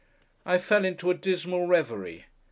I fell into a dismal reverie.